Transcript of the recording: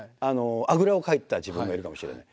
あぐらをかいてた自分がいるかもしれない。